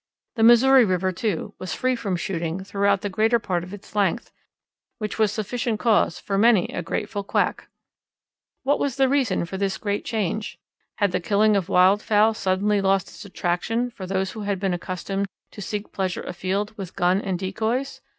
The Missouri River, too, was free from shooting throughout the greater part of its length, which was sufficient cause for many a grateful quack. What was the reason for this great change? Had the killing of wild fowl suddenly lost its attraction for those who had been accustomed to seek pleasure afield with gun and decoys?